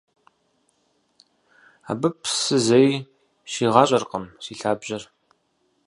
Абы псы зэи щигъащӀэркъым си лъабжьэр.